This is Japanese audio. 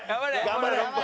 頑張れ！